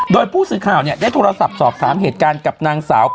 โดยผู้สื่อข่าวได้โทรศัพท์สอบถามเหตุการณ์กับนางสาว